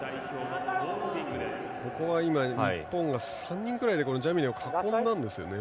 ここは、日本が３人ぐらいでジャミネを囲んだんですね。